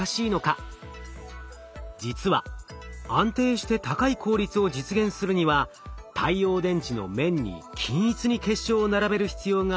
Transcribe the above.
実は安定して高い効率を実現するには太陽電池の面に均一に結晶を並べる必要があります。